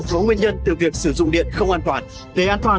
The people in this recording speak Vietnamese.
có nguyên nhân từ việc sử dụng điện không an toàn